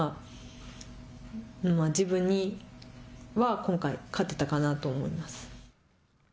自分には今回勝てたかなと思います。